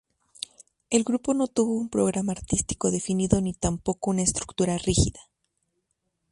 El grupo no tuvo un programa artístico definido ni tampoco una estructura rígida.